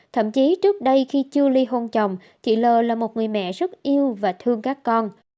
thậm chí trước đây khi chưa ly hôn chồng chị l là một người mẹ rất yêu và thương các con